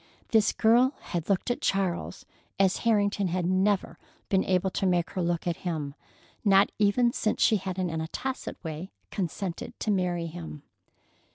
This girl had looked at Charles as Harrington had never been able to make her look at him, not even since she had in a tacit way consented to marry him.